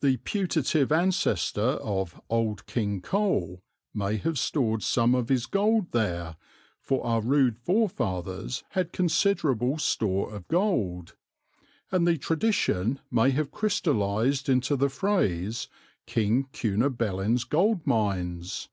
The putative ancestor of "Old King Cole" may have stored some of his gold there, for our rude forefathers had considerable store of gold; and the tradition may have crystallized into the phrase "King Cunobelin's Gold Mines."